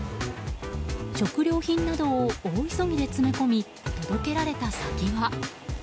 食料品などを大急ぎで詰め込み届けられた先は。